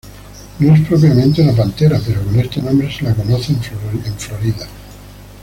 No es propiamente una pantera pero con este nombre se la conoce en Florida.